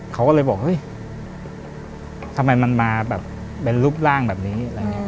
เขาก็เลยบอกเฮ้ยทำไมมันมาแบบเป็นรูปร่างแบบนี้